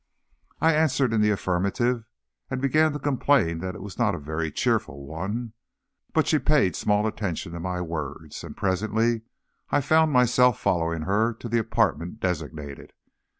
I answered in the affirmative, and began to complain that it was not a very cheerful one. But she paid small attention to my words, and presently I found myself following her to the apartment designated.